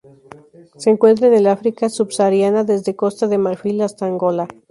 Se encuentra en el África subsahariana desde Costa de Marfil hasta Angola.